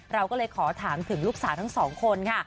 เราก็เลยขอถามถึงลูกสาวทั้งสองคนค่ะ